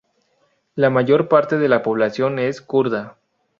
La mayor parte de la población es kurda.